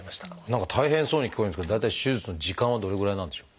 何か大変そうに聞こえるんですけど大体手術の時間はどれぐらいなんでしょう？